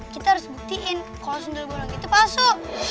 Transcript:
kita harus buktiin kalau sendul bolong itu palsu